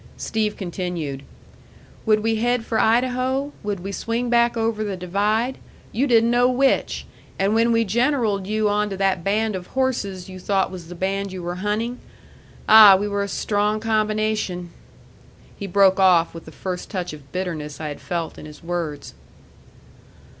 Steve continued: "Would we head for Idaho? Would we swing back over the Divide? You didn't know which! And when we generalled you on to that band of horses you thought was the band you were hunting ah, we were a strong combination!" He broke off with the first touch of bitterness I had felt in his words.